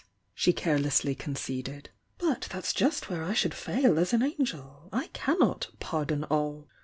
she carelessly conceded. "But that's just where I should fail as an angel! I cannot 'pardon all.'